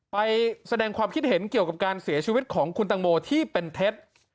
ไปแสดงความคิดเห็นเกี่ยวกับการเสียชีวิตของคุณตังโมที่เป็นเท็จ